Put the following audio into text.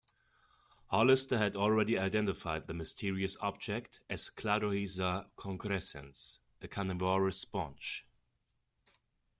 Hollister had already identified the mysterious object as "Cladorhiza concrescens", a carnivorous sponge.